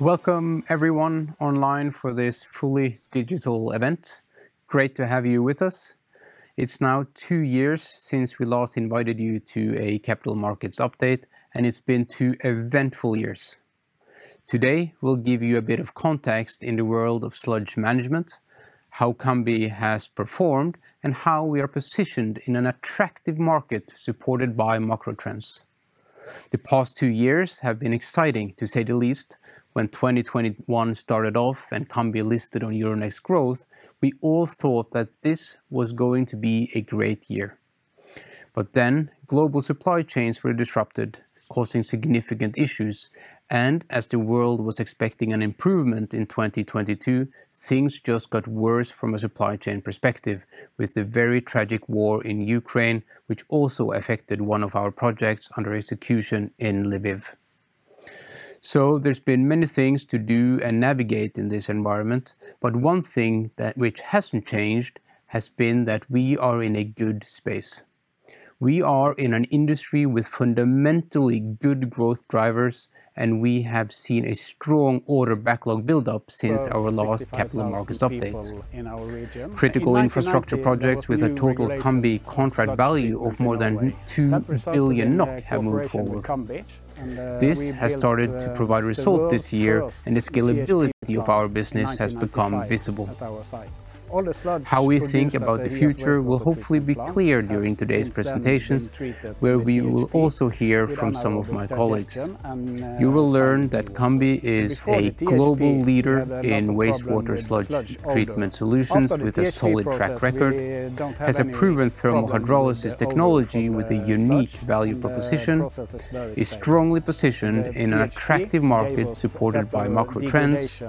Welcome everyone online for this fully digital event. Great to have you with us. It is now two years since we last invited you to a capital markets update, and it has been two eventful years. Today, we will give you a bit of context in the world of sludge management, how Cambi has performed, and how we are positioned in an attractive market supported by macro trends. The past two years have been exciting, to say the least. When 2021 started off and Cambi listed on Euronext Growth, we all thought that this was going to be a great year. Global supply chains were disrupted, causing significant issues, and as the world was expecting an improvement in 2022, things just got worse from a supply chain perspective with the very tragic war in Ukraine, which also affected one of our projects under execution in Lviv. There's been many things to do and navigate in this environment, but one thing which hasn't changed has been that we are in a good space. We are in an industry with fundamentally good growth drivers, and we have seen a strong order backlog buildup since our last capital markets update. Critical infrastructure projects with a total Cambi contract value of more than 2 billion NOK have moved forward. This has started to provide results this year, and the scalability of our business has become visible. How we think about the future will hopefully be clear during today's presentations, where we will also hear from some of my colleagues. You will learn that Cambi is a global leader in wastewater sludge treatment solutions with a solid track record, has a proven thermal hydrolysis technology with a unique value proposition, is strongly positioned in an attractive market supported by macro trends,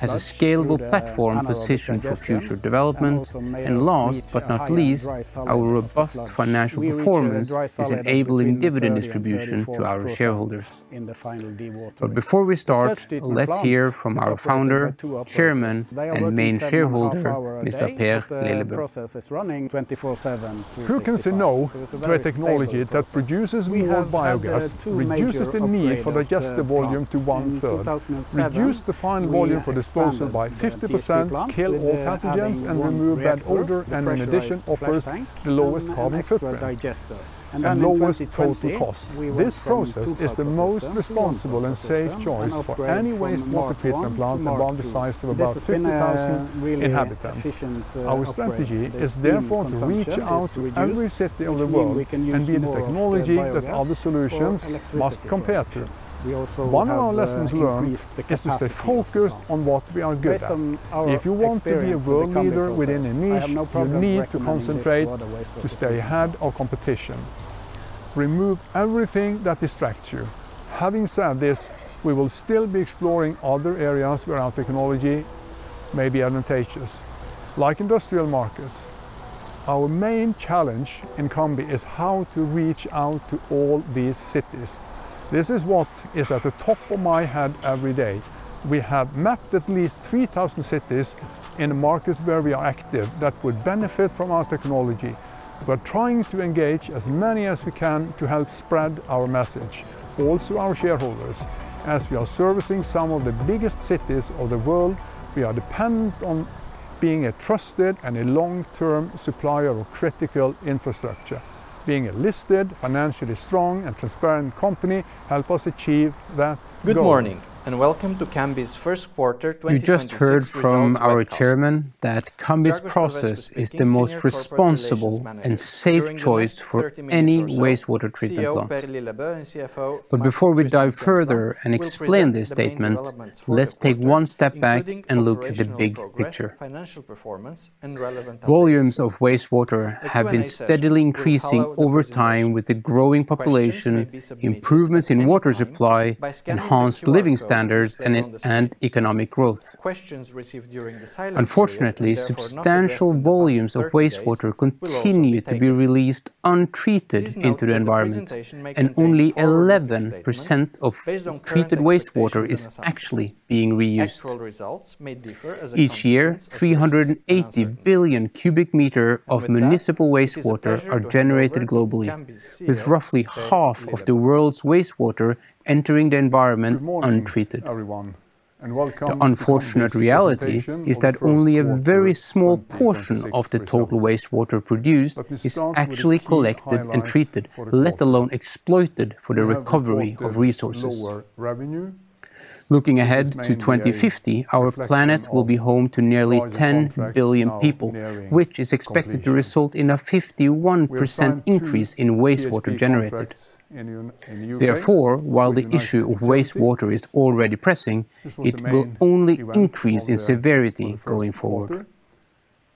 has a scalable platform positioned for future development, and last but not least, our robust financial performance is enabling dividend distribution to our shareholders. Before we start, let's hear from our founder, Chairman, and main shareholder, Mr. Per Lillebø. They are working 7.5 hours a day. The process is running 24/7, 265. It's a very stable process. We have had two major upgrades, plants. In 2007, we expanded the THP plant with having 1 reactor, the pressurized flash tank, and one extra digester. In 2020, we went from a two-sludge system to one-sludge system and upgrade from Mark I to Mark II. This has been a really efficient upgrade. The steam consumption is reduced, which mean we can use more of the biogas for electricity production. We also have increased the capacity of the plant. Based on our experience with the Cambi process, I have no problem recommending this for other wastewater treatment plants. You just heard from our chairman that Cambi's process is the most responsible and safe choice for any wastewater treatment plant. Before we dive further and explain this statement, let's take one step back and look at the big picture. Volumes of wastewater have been steadily increasing over time with the growing population, improvements in water supply, enhanced living standards, and economic growth. Unfortunately, substantial volumes of wastewater continue to be released untreated into the environment, and only 11% of treated wastewater is actually being reused. Each year, 380 billion cubic meter of municipal wastewater are generated globally, with roughly half of the world's wastewater entering the environment untreated. The unfortunate reality is that only a very small portion of the total wastewater produced is actually collected and treated, let alone exploited for the recovery of resources. Looking ahead to 2050, our planet will be home to nearly 10 billion people, which is expected to result in a 51% increase in wastewater generated. Therefore, while the issue of wastewater is already pressing, it will only increase in severity going forward.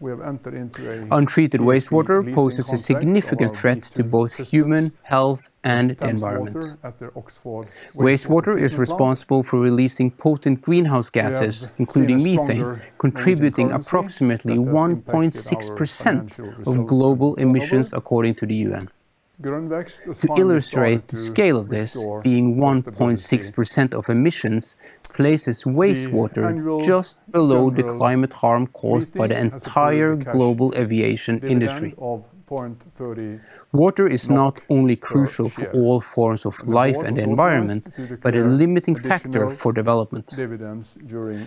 Untreated wastewater poses a significant threat to both human health and the environment. Wastewater is responsible for releasing potent greenhouse gases, including methane, contributing approximately 1.6% of global emissions according to the UN. To illustrate the scale of this being 1.6% of emissions places wastewater just below the climate harm caused by the entire global aviation industry. Water is not only crucial for all forms of life and the environment, but a limiting factor for development.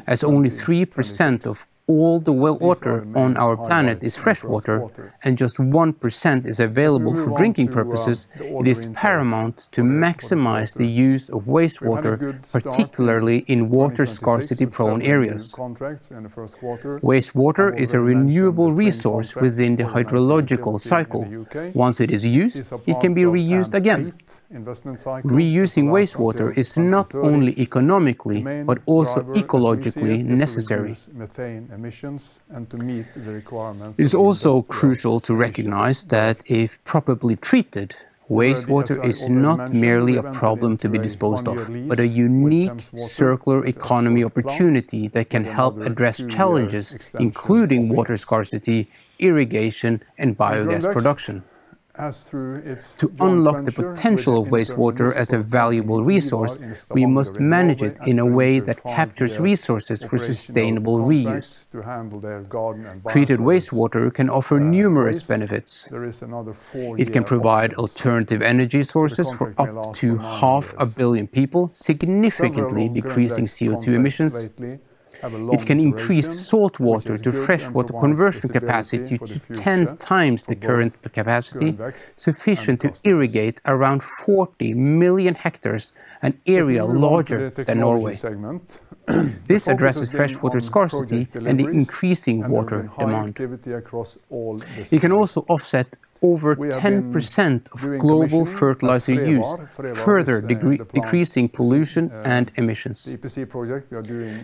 As only 3% of all the water on our planet is freshwater and just 1% is available for drinking purposes, it is paramount to maximize the use of wastewater, particularly in water scarcity prone areas. Wastewater is a renewable resource within the hydrological cycle. Once it is used, it can be reused again. Reusing wastewater is not only economically, but also ecologically necessary. It is also crucial to recognize that if properly treated, wastewater is not merely a problem to be disposed of, but a unique circular economy opportunity that can help address challenges, including water scarcity, irrigation, and biogas production. To unlock the potential of wastewater as a valuable resource, we must manage it in a way that captures resources for sustainable reuse. Treated wastewater can offer numerous benefits. It can provide alternative energy sources for up to 500 million people, significantly decreasing CO2 emissions. It can increase saltwater to freshwater conversion capacity to 10x the current capacity, sufficient to irrigate around 40 million hectares, an area larger than Norway. This addresses freshwater scarcity and the increasing water demand. We can also offset over 10% of global fertilizer use, further decreasing pollution and emissions.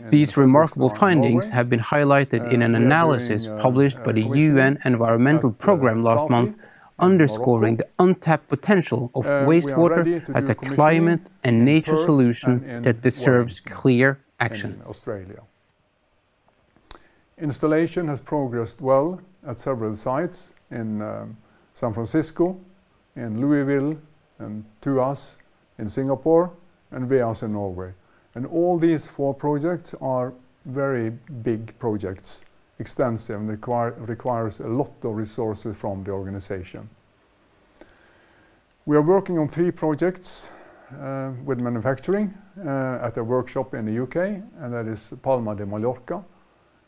These remarkable findings have been highlighted in an analysis published by the UN Environmental Programme last month, underscoring the untapped potential of wastewater as a climate and nature solution that deserves clear action. Installation has progressed well at several sites in San Francisco, in Louisville and Tuas in Singapore and Veas in Norway. All these four projects are very big projects, extensive and requires a lot of resources from the organization. We are working on three projects with manufacturing at a workshop in the U.K. and that is Palma de Mallorca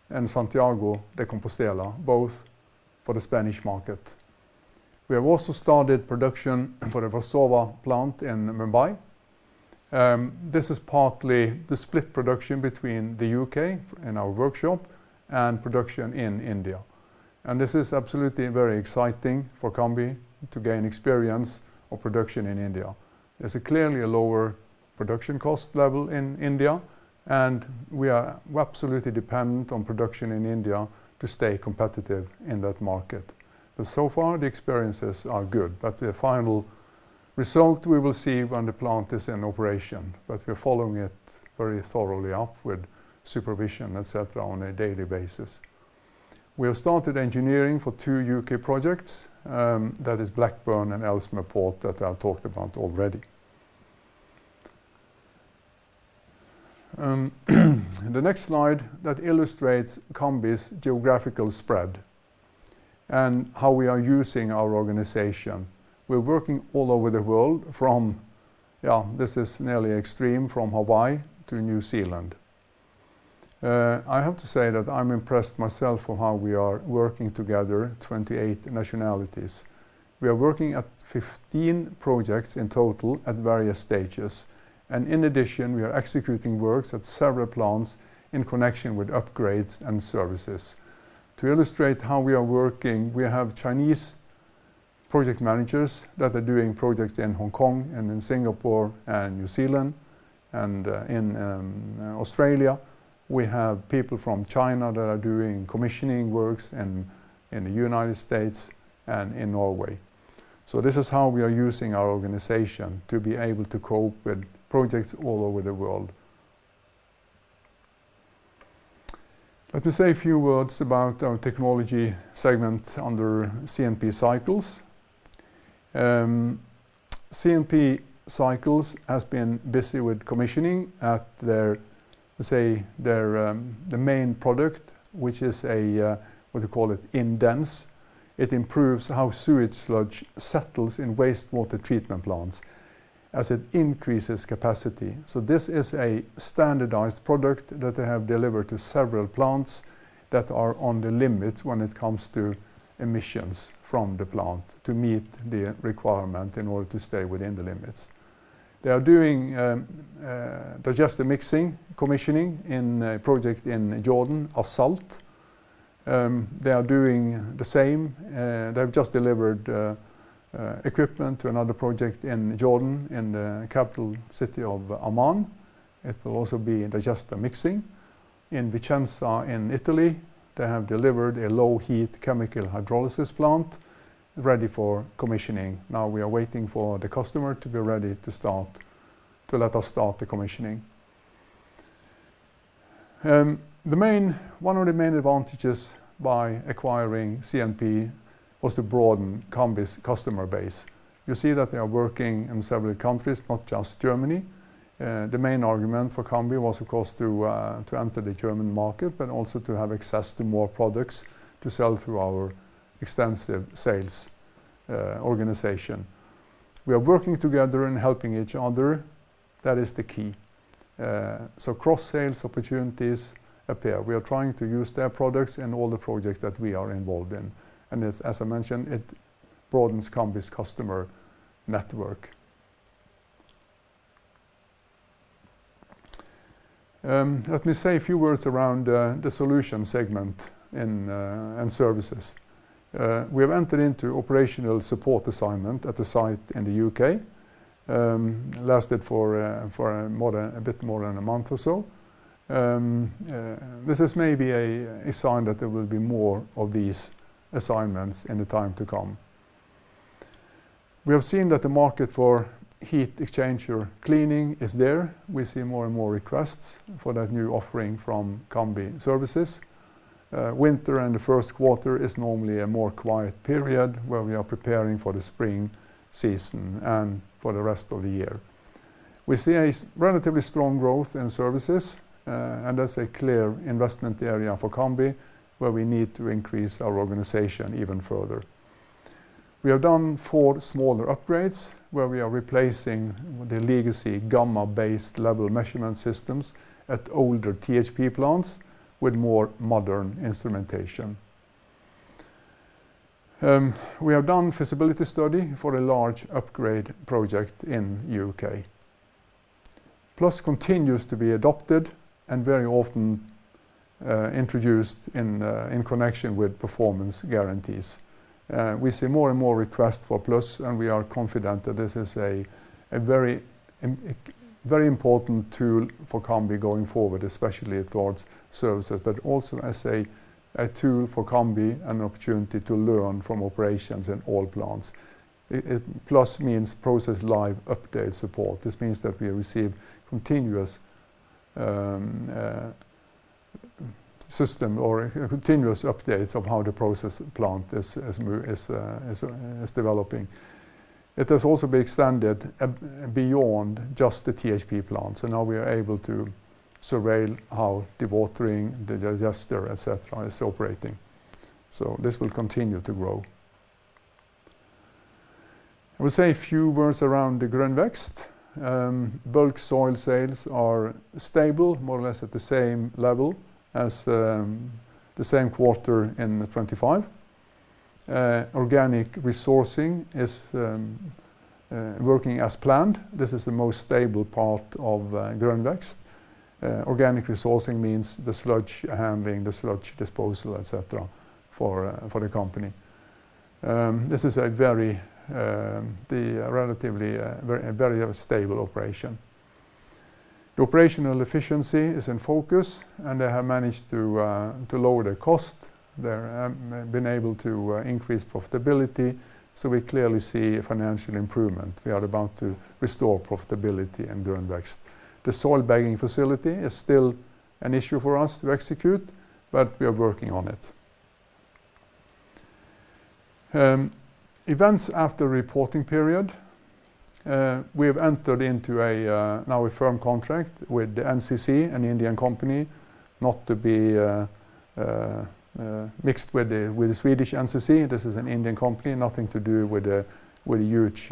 and Santiago de Compostela, both for the Spanish market. We have also started production for the Versova plant in Mumbai. This is partly the split production between the U.K. and our workshop and production in India. This is absolutely very exciting for Cambi to gain experience of production in India. There's clearly a lower production cost level in India and we are absolutely dependent on production in India to stay competitive in that market. So far the experiences are good, but the final result we will see when the plant is in operation, but we're following it very thoroughly up with supervision, et cetera, on a daily basis. We have started engineering for two U.K. projects, that is Blackburn and Ellesmere Port that I've talked about already. The next slide that illustrates Cambi's geographical spread and how we are using our organization. We're working all over the world from, this is nearly extreme from Hawaii to New Zealand. I have to say that I'm impressed myself on how we are working together, 28 nationalities. We are working at 15 projects in total at various stages. In addition, we are executing works at several plants in connection with upgrades and services. To illustrate how we are working, we have Chinese project managers that are doing projects in Hong Kong and in Singapore and New Zealand and in Australia. We have people from China that are doing commissioning works in the U.S. and in Norway. This is how we are using our organization to be able to cope with projects all over the world. Let me say a few words about our technology segment under CNP Cycles. CNP Cycles has been busy with commissioning at their the main product, inDENSE. It improves how sewage sludge settles in wastewater treatment plants as it increases capacity. This is a standardized product that they have delivered to several plants that are on the limits when it comes to emissions from the plant to meet the requirement in order to stay within the limits. They are doing digester mixing commissioning in a project in Jordan As-Salt. They are doing the same. They've just delivered equipment to another project in Jordan in the capital city of Amman. It will also be digester mixing. In Vicenza in Italy, they have delivered a low heat chemical hydrolysis plant ready for commissioning. Now we are waiting for the customer to be ready to start, to let us start the commissioning. One of the main advantages by acquiring CNP was to broaden Cambi's customer base. You see that they are working in several countries, not just Germany. The main argument for Cambi was, of course, to enter the German market, but also to have access to more products to sell through our extensive sales organization. We are working together and helping each other. That is the key. Cross-sales opportunities appear. We are trying to use their products in all the projects that we are involved in. As I mentioned, it broadens Cambi's customer network. Let me say a few words around the solution segment and services. We have entered into operational support assignment at a site in the U.K. Lasted for a bit more than a month or so. This is maybe a sign that there will be more of these assignments in the time to come. We have seen that the market for heat exchanger cleaning is there. We see more and more requests for that new offering from Cambi Services. Winter and the first quarter is normally a more quiet period where we are preparing for the spring season and for the rest of the year. We see a relatively strong growth in services, and that's a clear investment area for Cambi, where we need to increase our organization even further. We have done four smaller upgrades where we are replacing the legacy gamma-based level measurement systems at older THP plants with more modern instrumentation. We have done feasibility study for a large upgrade project in U.K. PLUS continues to be adopted and very often introduced in connection with performance guarantees. We see more and more requests for PLUS, and we are confident that this is a very important tool for Cambi going forward, especially towards services, but also as a tool for Cambi and an opportunity to learn from operations in oil plants. PLUS means Process Live Update and Support. This means that we receive continuous system or continuous updates of how the process plant is developing. It has also been extended beyond just the THP plants, and now we are able to surveil how dewatering, digester, et cetera, is operating. This will continue to grow. I will say a few words around the Grønn Vekst. Bulk soil sales are stable, more or less at the same level as the same quarter in 2025. Organic resourcing is working as planned. This is the most stable part of Grønn Vekst. Organic resourcing means the sludge handling, the sludge disposal, et cetera, for the company. This is a very stable operation. The operational efficiency is in focus, they have managed to lower their cost. They're been able to increase profitability, we clearly see a financial improvement. We are about to restore profitability in Grønn Vekst. The soil bagging facility is still an issue for us to execute, we are working on it. Events after reporting period, we have entered into a now a firm contract with the NCC, an Indian company, not to be mixed with the Swedish NCC. This is an Indian company, nothing to do with the huge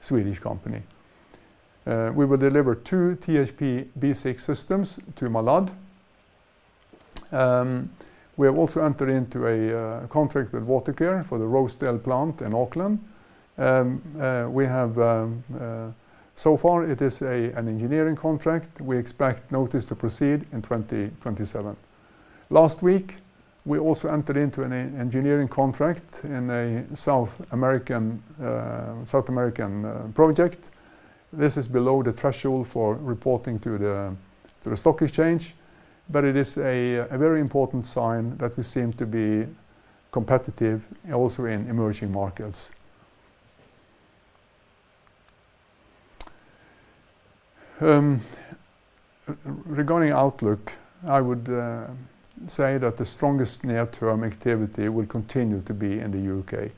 Swedish company. We will deliver two THP B6 systems to Malad. We have also entered into a contract with Watercare for the Rosedale plant in Auckland. We have so far it is an engineering contract. We expect notice to proceed in 2027. Last week, we also entered into an engineering contract in a South American project. This is below the threshold for reporting to the stock exchange, it is a very important sign that we seem to be competitive also in emerging markets. Regarding outlook, I would say that the strongest near-term activity will continue to be in the U.K.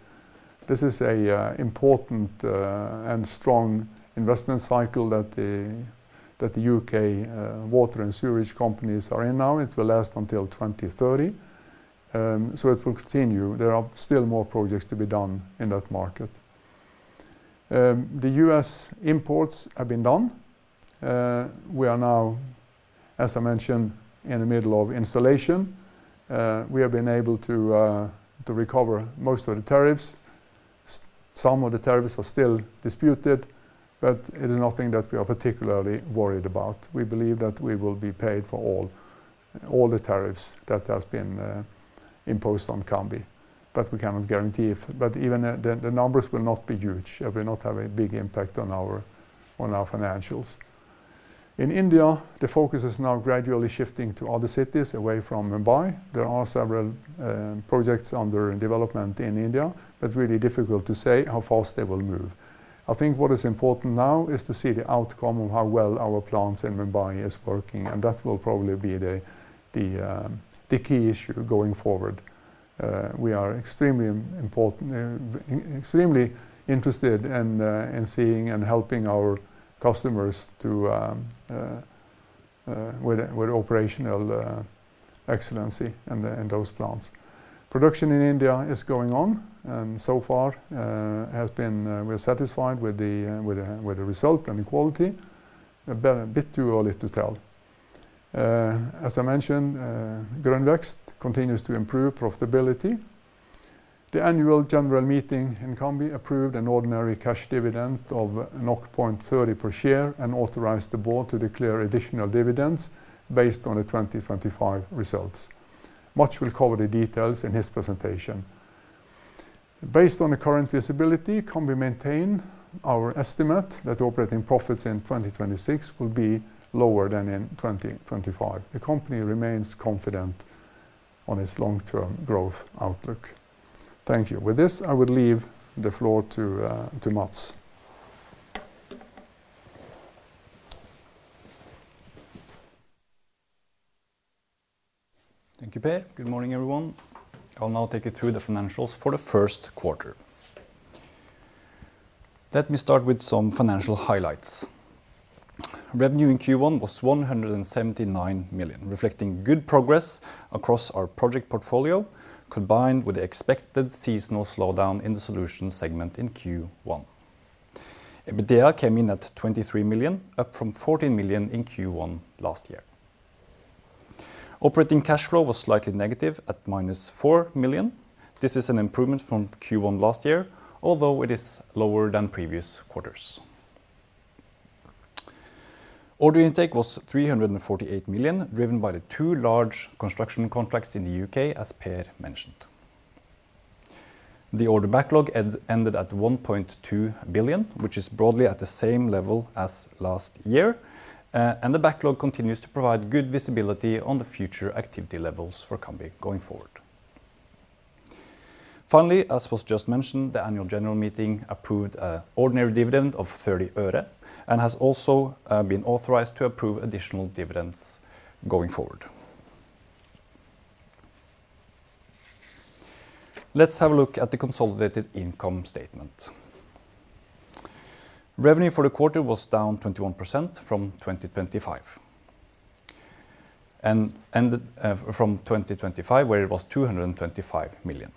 This is an important and strong investment cycle that the U.K. water and sewage companies are in now. It will last until 2030, it will continue. There are still more projects to be done in that market. The U.S. imports have been done. We are now, as I mentioned, in the middle of installation. We have been able to recover most of the tariffs. Some of the tariffs are still disputed, it is nothing that we are particularly worried about. We believe that we will be paid for all the tariffs that has been imposed on Cambi. We cannot guarantee even the numbers will not be huge. It will not have a big impact on our financials. In India, the focus is now gradually shifting to other cities away from Mumbai. There are several projects under development in India, really difficult to say how fast they will move. I think what is important now is to see the outcome of how well our plants in Mumbai is working, and that will probably be the key issue going forward. We are extremely interested in seeing and helping our customers with operational excellency in those plants. Production in India is going on, and so far, we're satisfied with the result and the quality. A bit too early to tell. As I mentioned, Grønn Vekst continues to improve profitability. The annual general meeting in Cambi approved an ordinary cash dividend of 0.30 per share and authorized the board to declare additional dividends based on the 2025 results. Mats will cover the details in his presentation. Based on the current visibility, Cambi maintain our estimate that operating profits in 2026 will be lower than in 2025. The company remains confident on its long-term growth outlook. Thank you. With this, I would leave the floor to Mats. Thank you, Per. Good morning, everyone. I'll now take you through the financials for the first quarter. Let me start with some financial highlights. Revenue in Q1 was 179 million, reflecting good progress across our project portfolio, combined with the expected seasonal slowdown in the solutions segment in Q1. EBITDA came in at 23 million, up from 14 million in Q1 last year. Operating cash flow was slightly negative at -4 million. This is an improvement from Q1 last year, although it is lower than previous quarters. Order intake was 348 million, driven by the two large construction contracts in the U.K. as Per mentioned. The order backlog ended at 1.2 billion, which is broadly at the same level as last year. The backlog continues to provide good visibility on the future activity levels for Cambi going forward. Finally, as was just mentioned, the annual general meeting approved an ordinary dividend of NOK 0.30 And has also been authorized to approve additional dividends going forward. Let's have a look at the consolidated income statement. Revenue for the quarter was down 21% from 2025 and ended, where it was 225 million.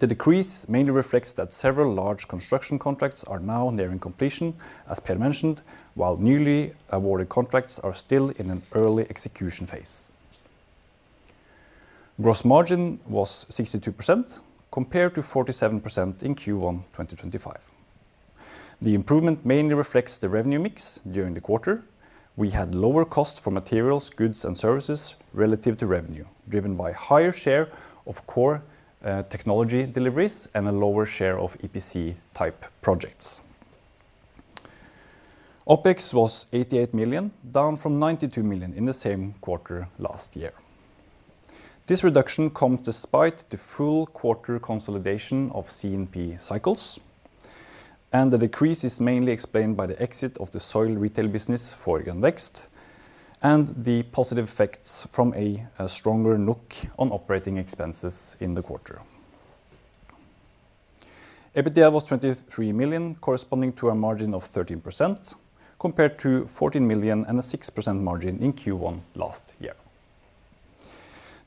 The decrease mainly reflects that several large construction contracts are now nearing completion, as Per mentioned, while newly awarded contracts are still in an early execution phase. Gross margin was 62%, compared to 47% in Q1 2025. The improvement mainly reflects the revenue mix during the quarter. We had lower cost for materials, goods and services relative to revenue, driven by higher share of core technology deliveries and a lower share of EPC-type projects. OpEx was 88 million, down from 92 million in the same quarter last year. This reduction comes despite the full quarter consolidation of CNP Cycles, and the decrease is mainly explained by the exit of the soil retail business for Grønn Vekst and the positive effects from a stronger look on operating expenses in the quarter. EBITDA was 23 million, corresponding to a margin of 13%, compared to 14 million and a 6% margin in Q1 last year.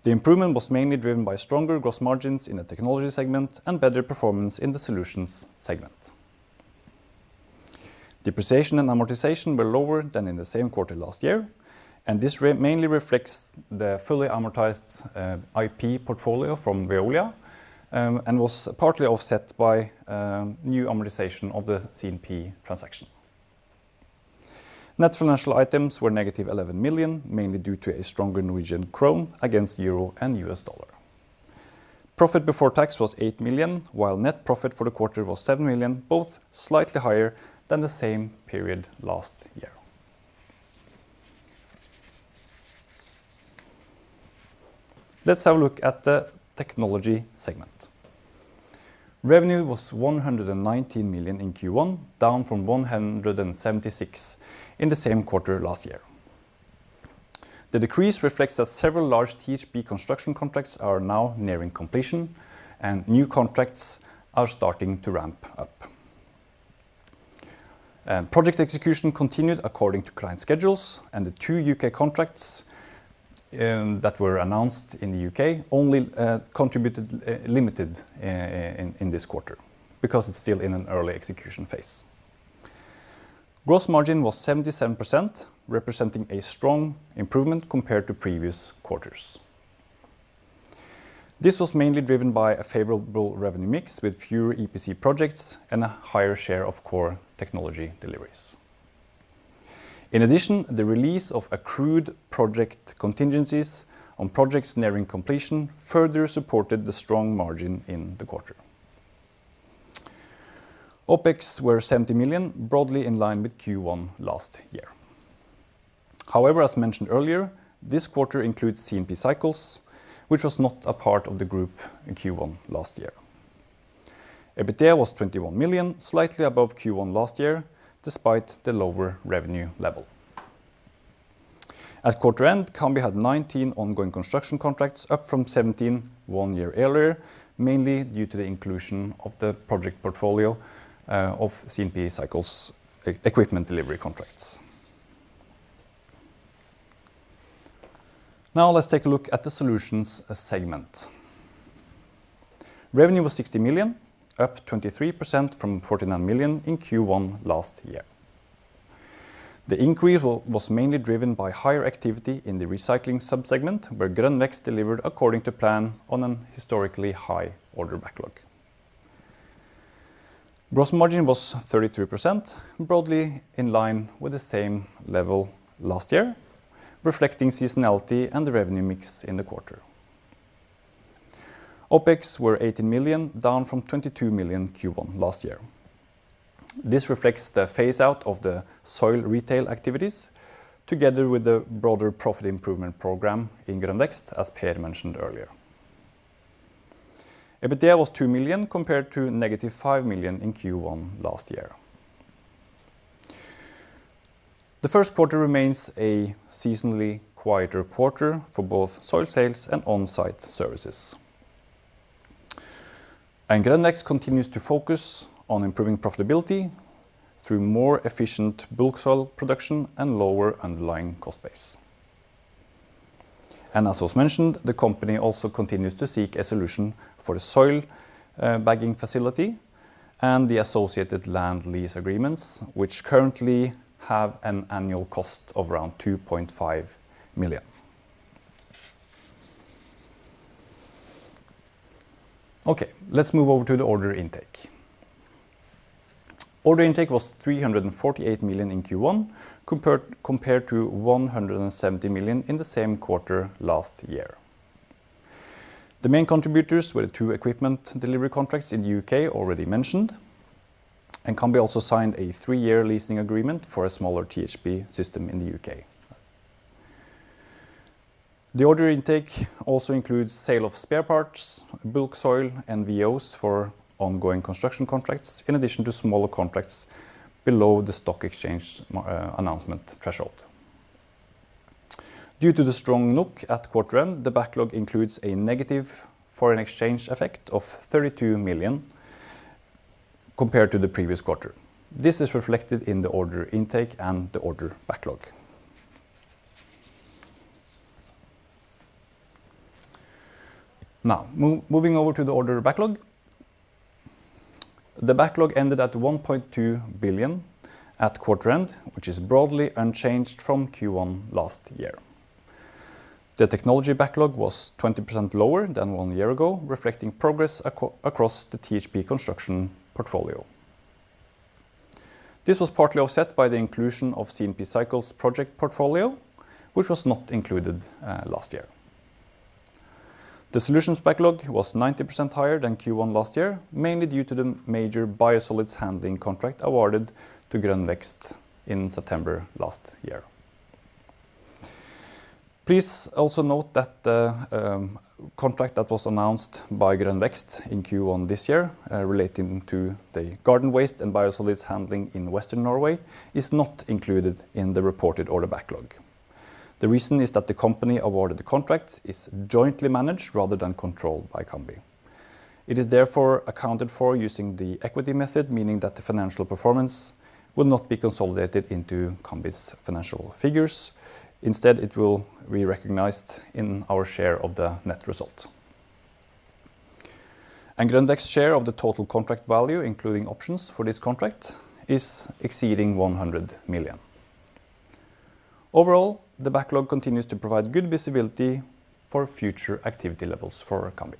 The improvement was mainly driven by stronger gross margins in the technology segment and better performance in the solutions segment. Depreciation and amortization were lower than in the same quarter last year, and this mainly reflects the fully amortized IP portfolio from Veolia, and was partly offset by new amortization of the CNP transaction. Net financial items were -11 million, mainly due to a stronger Norwegian krone against EUR and USD. Profit before tax was 8 million, while net profit for the quarter was 7 million, both slightly higher than the same period last year. Let's have a look at the technology segment. Revenue was 119 million in Q1, down from 176 in the same quarter last year. The decrease reflects that several large THP construction contracts are now nearing completion, and new contracts are starting to ramp up. Project execution continued according to client schedules, and the two U.K. contracts that were announced in the U.K. only contributed limited in this quarter because it's still in an early execution phase. Gross margin was 77%, representing a strong improvement compared to previous quarters. This was mainly driven by a favorable revenue mix with fewer EPC projects and a higher share of core technology deliveries. In addition, the release of accrued project contingencies on projects nearing completion further supported the strong margin in the quarter. OpEx were 70 million, broadly in line with Q1 last year. However, as mentioned earlier, this quarter includes CNP Cycles, which was not a part of the group in Q1 last year. EBITDA was 21 million, slightly above Q1 last year, despite the lower revenue level. At quarter end, Cambi had 19 ongoing construction contracts up from 17 one year earlier, mainly due to the inclusion of the project portfolio of CNP Cycles equipment delivery contracts. Let's take a look at the solutions segment. Revenue was 60 million, up 23% from 49 million in Q1 last year. The increase was mainly driven by higher activity in the recycling sub-segment where Grønn Vekst delivered according to plan on an historically high order backlog. Gross margin was 33%, broadly in line with the same level last year, reflecting seasonality and the revenue mix in the quarter. OpEx were 18 million, down from 22 million Q1 last year. This reflects the phase out of the soil retail activities together with the broader profit improvement program in Grønn Vekst as Per mentioned earlier. EBITDA was 2 million compared to -5 million in Q1 last year. The first quarter remains a seasonally quieter quarter for both soil sales and on-site services. Grønn Vekst continues to focus on improving profitability through more efficient bulk soil production and lower underlying cost base. As was mentioned, the company also continues to seek a solution for the soil bagging facility and the associated land lease agreements, which currently have an annual cost of around 2.5 million. Okay, let's move over to the order intake. Order intake was 348 million in Q1, compared to 170 million in the same quarter last year. The main contributors were the two equipment delivery contracts in the U.K. already mentioned, and Cambi also signed a three-year leasing agreement for a smaller THP system in the U.K. The order intake also includes sale of spare parts, bulk soil and VOs for ongoing construction contracts, in addition to smaller contracts below the stock exchange announcement threshold. Due to the strong NOK at quarter end, the backlog includes a negative foreign exchange effect of 32 million compared to the previous quarter. This is reflected in the order intake and the order backlog. Moving over to the order backlog. The backlog ended at 1.2 billion at quarter end, which is broadly unchanged from Q1 last year. The technology backlog was 20% lower than one year ago, reflecting progress across the THP construction portfolio. This was partly offset by the inclusion of CNP Cycles project portfolio, which was not included last year. The solutions backlog was 90% higher than Q1 last year, mainly due to the major biosolids handling contract awarded to Grønn Vekst in September last year. Please also note that contract that was announced by Grønn Vekst in Q1 this year, relating to the garden waste and biosolids handling in Western Norway, is not included in the reported order backlog. The reason is that the company awarded the contract is jointly managed rather than controlled by Cambi. It is therefore accounted for using the equity method, meaning that the financial performance will not be consolidated into Cambi's financial figures. Instead, it will be recognized in our share of the net result. Grønn Vekst share of the total contract value, including options for this contract, is exceeding 100 million. Overall, the backlog continues to provide good visibility for future activity levels for Cambi.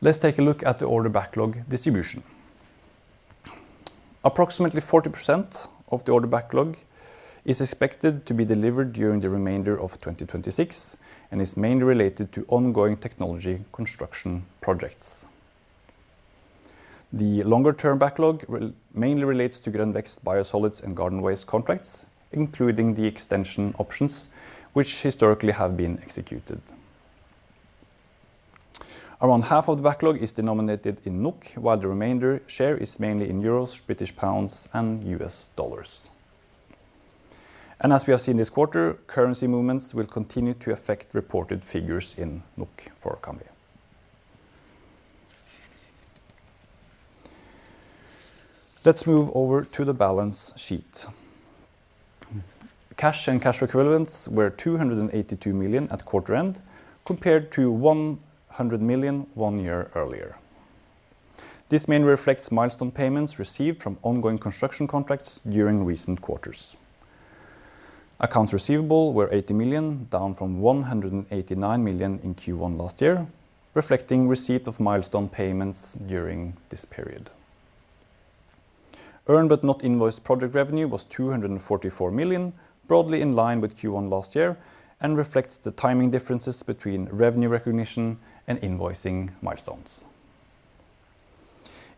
Let's take a look at the order backlog distribution. Approximately 40% of the order backlog is expected to be delivered during the remainder of 2026 and is mainly related to ongoing technology construction projects. The longer-term backlog mainly relates to Grønn Vekst biosolids and garden waste contracts, including the extension options which historically have been executed. Around half of the backlog is denominated in NOK, while the remainder share is mainly in euros, British pounds, and U.S. dollars. As we have seen this quarter, currency movements will continue to affect reported figures in NOK for Cambi. Let's move over to the balance sheet. Cash and cash equivalents were 282 million at quarter end, compared to 100 million one year earlier. This mainly reflects milestone payments received from ongoing construction contracts during recent quarters. Accounts receivable were 80 million, down from 189 million in Q1 last year, reflecting receipt of milestone payments during this period. Earned but not invoiced project revenue was 244 million, broadly in line with Q1 last year, and reflects the timing differences between revenue recognition and invoicing milestones.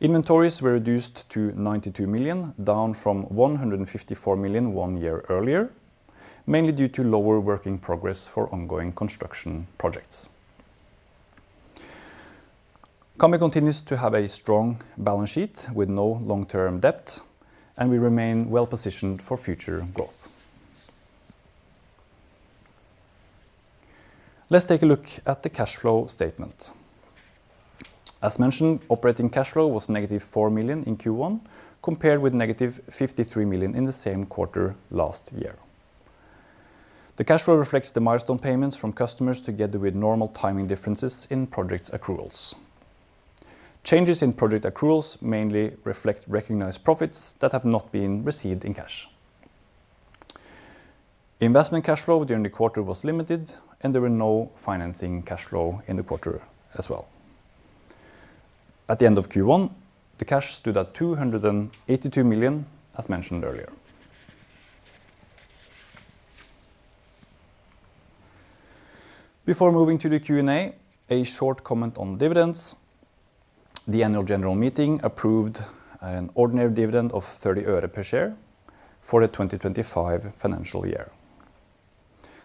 Inventories were reduced to 92 million, down from 154 million one year earlier, mainly due to lower working progress for ongoing construction projects. Cambi continues to have a strong balance sheet with no long-term debt, and we remain well-positioned for future growth. Let's take a look at the cash flow statement. As mentioned, operating cash flow was -4 million in Q1 compared with -53 million in the same quarter last year. The cash flow reflects the milestone payments from customers together with normal timing differences in project accruals. Changes in project accruals mainly reflect recognized profits that have not been received in cash. Investment cash flow during the quarter was limited, and there were no financing cash flow in the quarter as well. At the end of Q1, the cash stood at 282 million, as mentioned earlier. Before moving to the Q&A, a short comment on dividends. The annual general meeting approved an ordinary dividend of NOK 0.30 per share for the 2025 financial year.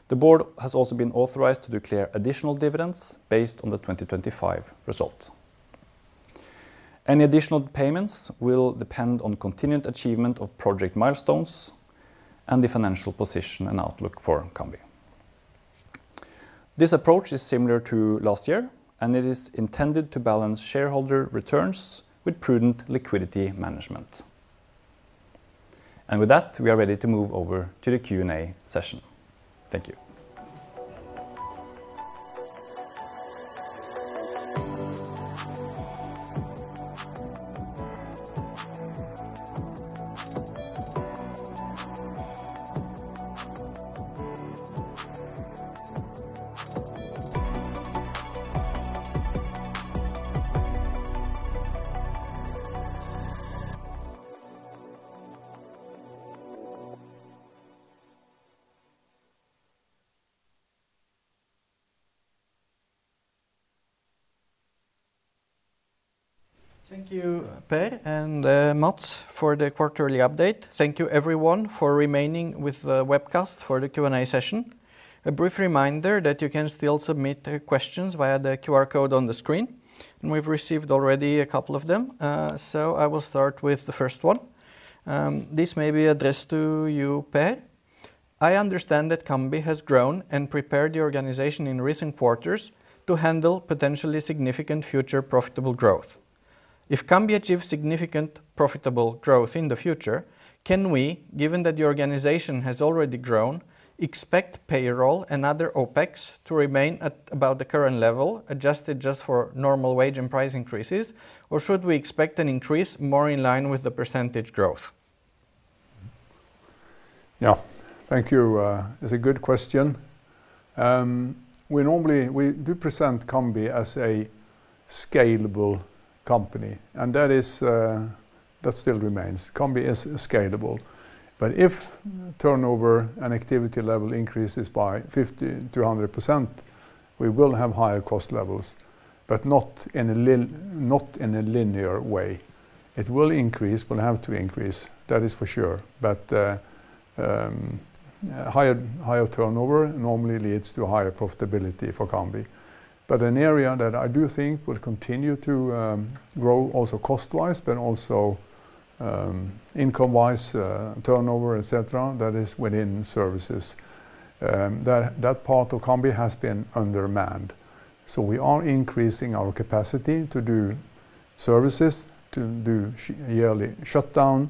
The board has also been authorized to declare additional dividends based on the 2025 result. Any additional payments will depend on continued achievement of project milestones and the financial position and outlook for Cambi. This approach is similar to last year, and it is intended to balance shareholder returns with prudent liquidity management. With that, we are ready to move over to the Q&A session. Thank you. Thank you, Per and Mats, for the quarterly update. Thank you everyone for remaining with the webcast for the Q&A session. A brief reminder that you can still submit questions via the QR code on the screen, we've received already a couple of them. I will start with the first one. This may be addressed to you, Per. I understand that Cambi has grown and prepared the organization in recent quarters to handle potentially significant future profitable growth. If Cambi achieve significant profitable growth in the future, can we, given that the organization has already grown, expect payroll and other OpEx to remain at about the current level, adjusted just for normal wage and price increases? Should we expect an increase more in line with the percentage growth? Thank you. It's a good question. We do present Cambi as a scalable company, and that still remains. Cambi is scalable. If turnover and activity level increases by 50%-100%, we will have higher cost levels, but not in a linear way. It will increase. Will have to increase, that is for sure. Higher turnover normally leads to higher profitability for Cambi. An area that I do think will continue to grow also cost-wise, but also income-wise, turnover, et cetera, that is within services. That part of Cambi has been undermanned. We are increasing our capacity to do services, to do yearly shutdown,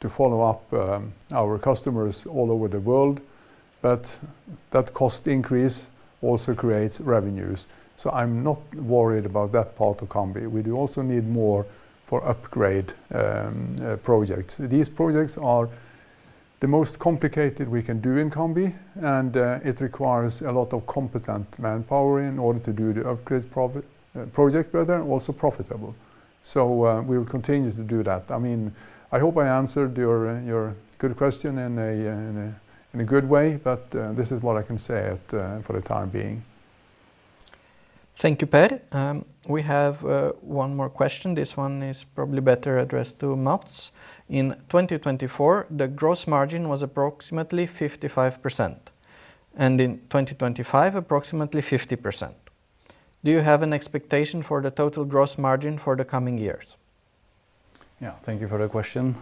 to follow up our customers all over the world. That cost increase also creates revenues, so I am not worried about that part of Cambi. We do also need more for upgrade projects. These projects are the most complicated we can do in Cambi, and it requires a lot of competent manpower in order to do the upgrade project rather, also profitable. We will continue to do that. I mean, I hope I answered your good question in a good way, this is what I can say for the time being. Thank you, Per. We have one more question. This one is probably better addressed to Mats. In 2024, the gross margin was approximately 55%, and in 2025, approximately 50%. Do you have an expectation for the total gross margin for the coming years? Yeah. Thank you for the question.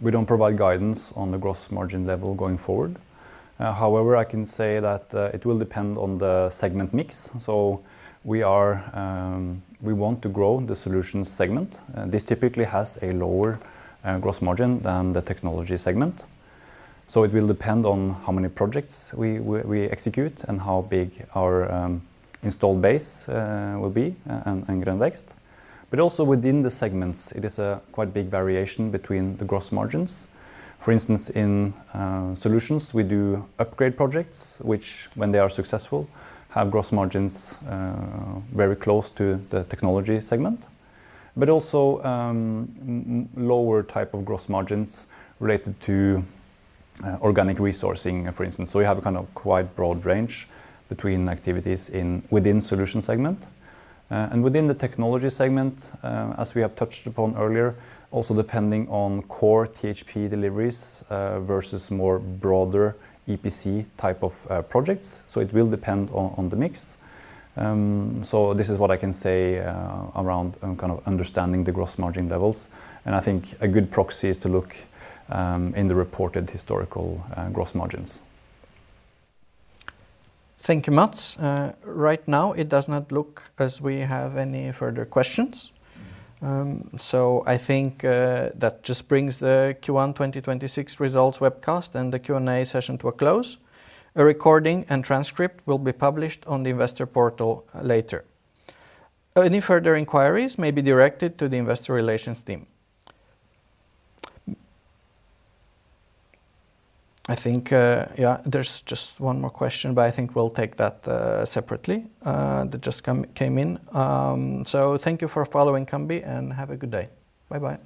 We don't provide guidance on the gross margin level going forward. However, I can say that it will depend on the segment mix. We want to grow the solutions segment. This typically has a lower gross margin than the technology segment. It will depend on how many projects we execute and how big our install base will be and in Grønn Vekst. Also within the segments, it is a quite big variation between the gross margins. For instance, in solutions, we do upgrade projects which, when they are successful, have gross margins very close to the technology segment. Also, lower type of gross margins related to organic resourcing, for instance. We have a kind of quite broad range between activities within solution segment. Within the technology segment, as we have touched upon earlier, also depending on core THP deliveries, versus more broader EPC type of projects. It will depend on the mix. This is what I can say around kind of understanding the gross margin levels. I think a good proxy is to look in the reported historical gross margins. Thank you, Mats. Right now, it does not look as we have any further questions. I think that just brings the Q1 2026 results webcast and the Q&A session to a close. A recording and transcript will be published on the investor portal later. Any further inquiries may be directed to the investor relations team. I think there's just one more question, I think we'll take that separately that just came in. Thank you for following Cambi, and have a good day. Bye-bye.